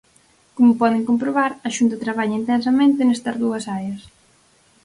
Como poden comprobar, a Xunta traballa intensamente nestas dúas áreas.